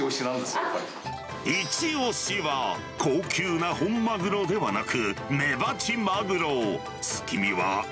一押しは、高級な本マグロではなく、メバチマグロ。